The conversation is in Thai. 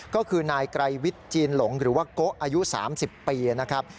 ก็คือนายไกรวิทย์จีนหลงหรือว่าโกะอายุ๓๐ปีนะครับ